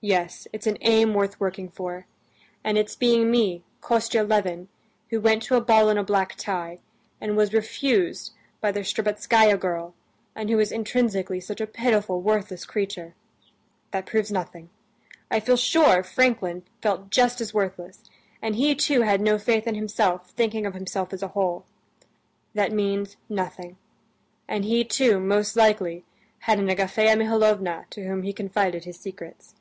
Yes, it's an aim worth working for. And its being me, Kostya Levin, who went to a ball in a black tie, and was refused by the Shtcherbatskaya girl, and who was intrinsically such a pitiful, worthless creature—that proves nothing; I feel sure Franklin felt just as worthless, and he too had no faith in himself, thinking of himself as a whole. That means nothing. And he too, most likely, had an Agafea Mihalovna to whom he confided his secrets."